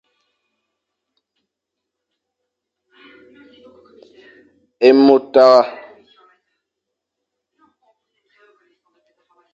Ê mo tare.